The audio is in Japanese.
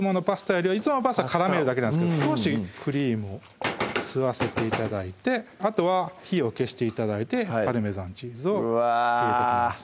いつものパスタ絡めるだけなんですけど少しクリームを吸わせて頂いてあとは火を消して頂いてパルメザンチーズを入れていきます